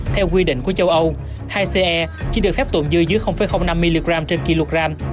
theo quy định của châu âu hai coroethanol chỉ được phép tồn dư dưới năm mg trên một kg